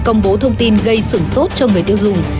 công bố thông tin gây sửng sốt cho người tiêu dùng